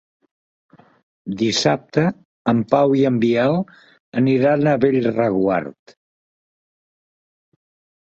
Dissabte en Pau i en Biel aniran a Bellreguard.